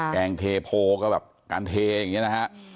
แกงเทโพก็แบบการเทอย่างนี้นะฮะ